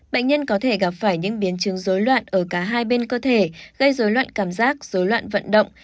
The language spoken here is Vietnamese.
bệnh nhân có thể gặp phải những biến chứng dối loạn ở cả hai bên cơ thể gây dối loạn cảm giác dối loạn vận động